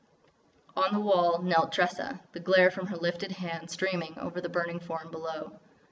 On the wall knelt Tressa, the glare from her lifted hand streaming over the burning form below.